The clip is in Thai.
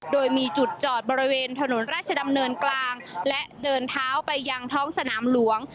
โดยมีจุดจอดบริเวณถนนราชดำเนินกลางและเดินเท้าไปยังท้องสนามหลวง